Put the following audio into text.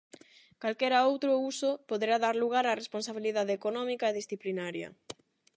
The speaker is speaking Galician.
Calquera outro uso poderá dar lugar a responsabilidade económica e disciplinaria.